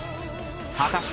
［果たして］